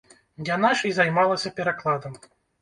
Яна ж і займалася перакладам.